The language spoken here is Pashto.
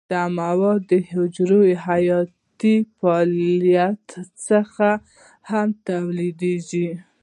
دا مواد د حجرو حیاتي فعالیت څخه هم تولیدیږي.